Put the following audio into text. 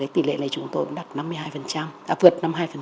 tỷ lệ này chúng tôi đã vượt năm mươi hai